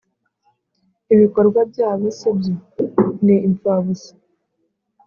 Ibikorwa byabo se byo? Ni impfabusa.